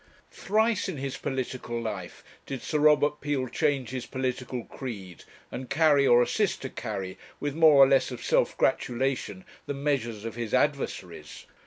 Thrice in his political life did Sir Robert Peel change his political creed, and carry, or assist to carry, with more or less of self gratulation, the measures of his adversaries.